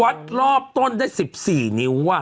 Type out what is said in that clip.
วัดรอบต้นได้๑๔นิ้วอะ